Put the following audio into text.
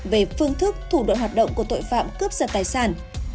về phương thức thủ đoạn hoạt động của tội phạm cướp giật tài sản